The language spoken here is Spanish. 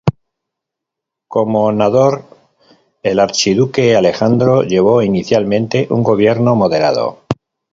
Como Nádor, el archiduque Alejandro llevó inicialmente un gobierno moderado.